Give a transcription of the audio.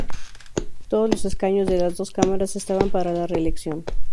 Todos los escaños de las dos cámaras estaban para la reelección.